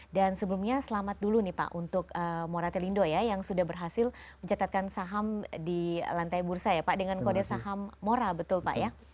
dan sebelumnya selamat dulu nih pak untuk mora telindo ya yang sudah berhasil mencatatkan saham di lantai bursa ya pak dengan kode saham mora betul pak ya